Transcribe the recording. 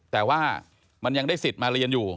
แต่ว่ามันยังได้สิทธิ์มาเรียนอยู่